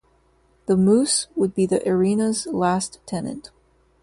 The Moose would be the arena's last tenant.